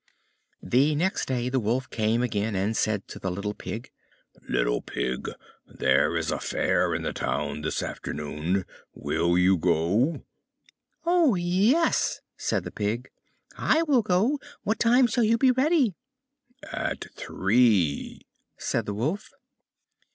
The next day the Wolf came again, and said to the little Pig, "Little Pig, there is a Fair in the Town this afternoon: will you go?" "Oh, yes," said the Pig, I will go; what time shall you be ready?" "At three," said the Wolf.